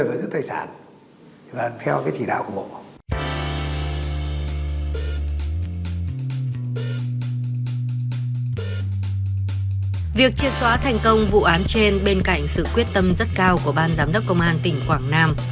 việc triệt xóa thành công vụ án trên bên cạnh sự quyết tâm rất cao của ban giám đốc công an tỉnh quảng nam